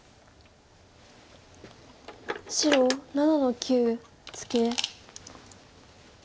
白７の九ツケ。